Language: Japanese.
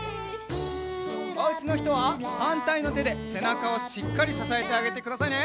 おうちのひとははんたいのてでせなかをしっかりささえてあげてくださいね。